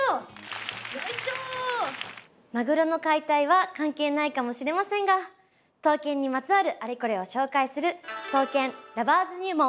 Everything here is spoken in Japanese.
マグロの解体は関係ないかもしれませんが刀剣にまつわるアレコレを紹介する「刀剣Ｌｏｖｅｒｓ入門」。